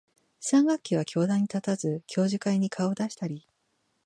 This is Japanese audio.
三学期は教壇に立たず、教授会に顔を出したり、